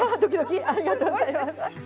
ありがとうございます。